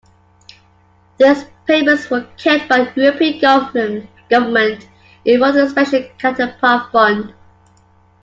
These payments were kept by the European government involved in a special counterpart fund.